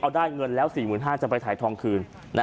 เอาได้เงินแล้ว๔๕๐๐บาทจะไปถ่ายทองคืน